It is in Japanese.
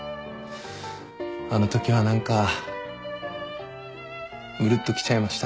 あのときは何かうるっときちゃいました。